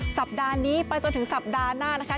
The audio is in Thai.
สัปดาห์นี้ไปจนถึงสัปดาห์หน้านะคะ